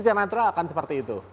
secara natural akan seperti itu